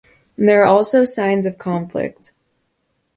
There are also signs of conflict.